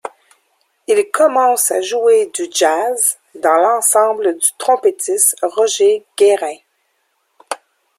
Il commence à jouer du jazz dans l'ensemble du trompettiste Roger Guérin.